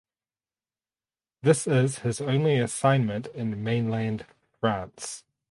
This is his only assignment in mainland France.